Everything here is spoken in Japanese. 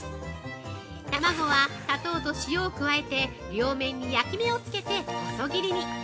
◆卵は砂糖と塩を加えて両面に焼き目をつけて、細切りに。